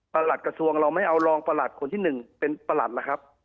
หลัดกระทรวงเราไม่เอารองประหลัดคนที่๑เป็นประหลัดล่ะครับ